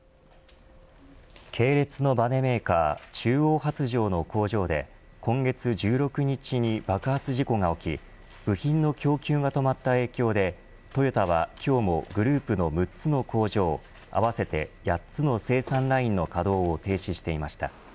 系列のばねメーカー中央発條の工場で今月１６日に爆発事故が起き部品の供給が止まった影響でトヨタは今日もグループの６つの工場合わせて８つの生産ラインの稼働を停止していました。